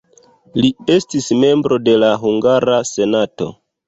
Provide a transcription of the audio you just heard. Li estis membro de la hungara senato.